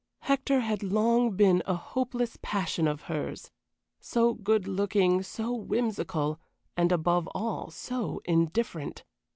Hector had long been a hopeless passion of hers so good looking, so whimsical, and, above all, so indifferent!